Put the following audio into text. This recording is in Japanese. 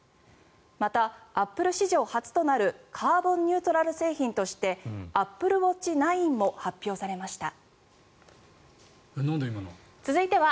また、アップル史上初となるカーボンニュートラル製品としてアップルウォッチ９も発表されました。